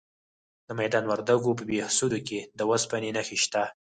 د میدان وردګو په بهسودو کې د اوسپنې نښې شته.